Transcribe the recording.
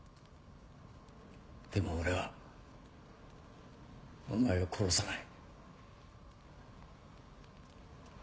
でも俺はお前を殺さない。